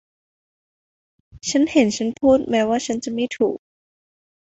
ฉันเห็นฉันพูดแม้ว่าฉันจะไม่ถูก